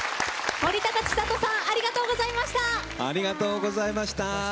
森高千里さんありがとうございました。